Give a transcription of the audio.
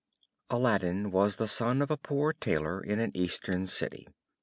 Aladdin was the son of a poor tailor in an Eastern city.